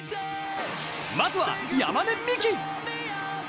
まずは山根視来！